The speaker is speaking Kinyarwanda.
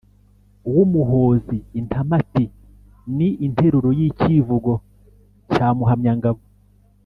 w’umuhozi) intamati ni interuro y’ikivugo cya muhamyangabo